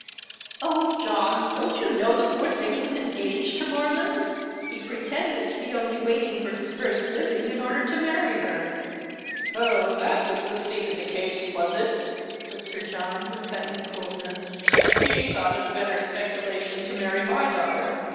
" Oh, John ! don't you know the poor thing ^vas engaged to Morland ? He pretended to be only waiting for his first living in order to marry her." " Oh, that was the state of the case, was it ?" said Sir John, with cutting coolness. " And he thought it a better speculation to marry my daughter.